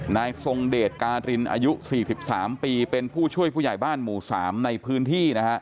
นายทรงเดชการินอายุ๔๓ปีเป็นผู้ช่วยผู้ใหญ่บ้านหมู่๓ในพื้นที่นะฮะ